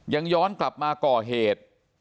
ยังย้อนกลับมาก่อเหตุ